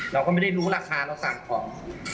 เราก็ไม่ได้รู้ราคาเราสั่งของ